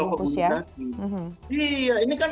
komunikasi iya ini kan